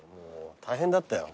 大変だったよ。